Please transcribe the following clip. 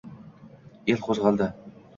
El qo’zg’aldi —